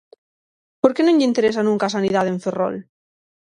¿Por que non lle interesa nunca a sanidade en Ferrol?